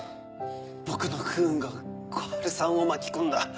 僕の不運が小春さんを巻き込んだ。